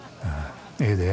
ええで。